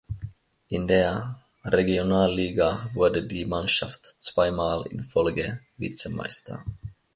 In der Regionalliga wurde die Mannschaft zweimal in Folge Vizemeister.